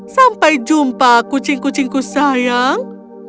sampai jumpa kucing kucingku sayang